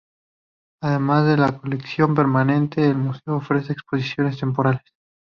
Además de la colección permanente, el museo ofrece exposiciones temporales.